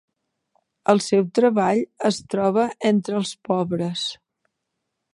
El seu treball es troba entre els pobres.